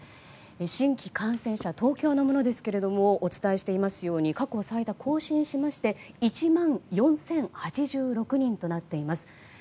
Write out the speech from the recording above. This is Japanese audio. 新規感染者、東京のものですがお伝えしていますように過去最多を更新しまして１万４０８６人となっています。